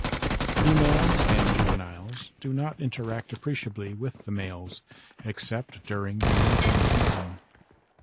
Females and juveniles do not interact appreciably with males, except during the mating season.